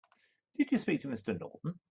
Did you speak to Mr. Norton?